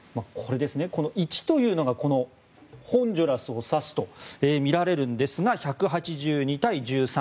１というのが、ホンジュラスを指すとみられるんですが１８２：１３。